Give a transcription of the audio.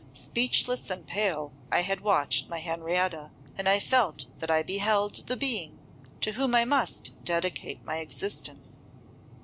Speechless and pale I had watched my Henrietta, and I felt that I beheld the being to whom I must dedicate my existence.